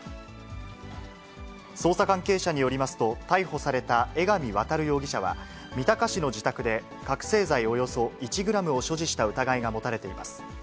捜査関係者によりますと、逮捕された江上渉容疑者は、三鷹市の自宅で、覚醒剤およそ１グラムを所持した疑いが持たれています。